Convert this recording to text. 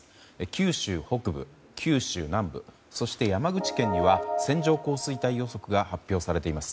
九州北部、九州南部そして山口県には線状降水帯予測が発表されています。